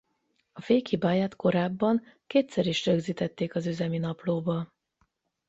A fék hibáját korábban kétszer is rögzítették az üzemi naplóba.